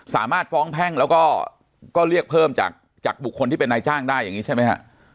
สามารถฟ้องแพ่งเราก็เรียกเพิ่มจากบุคคลที่เป็นไนนายจ้างได้ใช่ไหมฮะ